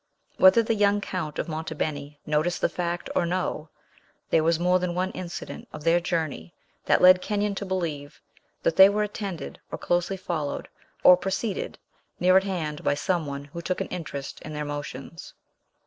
Whether the young Count of Monte Beni noticed the fact, or no, there was more than one incident of their journey that led Kenyon to believe that they were attended, or closely followed, or preceded, near at hand, by some one who took an interest in their motions.